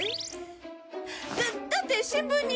だだって新聞に。